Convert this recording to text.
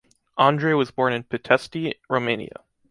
Andrei was born in Pitești, Romania.